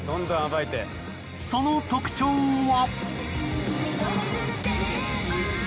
その特徴は。